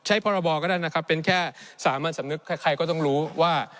พรบก็ได้นะครับเป็นแค่สามัญสำนึกใครก็ต้องรู้ว่า